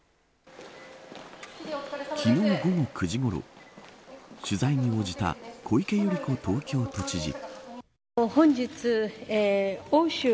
昨日、午後９時ごろ取材に応じた小池百合子東京都知事。